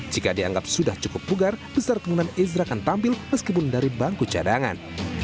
jika dianggap sudah cukup bugar besar kemungkinan ezra akan tampil meskipun dari bangku cadangan